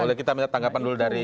boleh kita minta tanggapan dulu dari